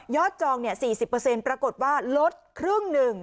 ยอดจองเนี่ย๔๐ปรากฏว่าลดครึ่งหนึ่ง